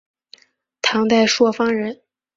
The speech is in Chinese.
唐代朔方人。